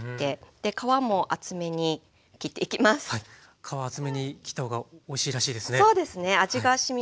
皮厚めに切った方がおいしいらしいですね。